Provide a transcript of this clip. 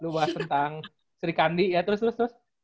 lu bahas tentang sri kandi ya terus terus